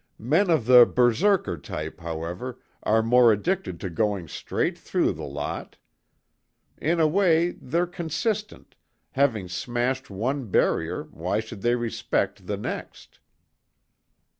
"Men of the Berserker type, however, are more addicted to going straight through the lot. In a way, they're consistent having smashed one barrier, why should they respect the next?"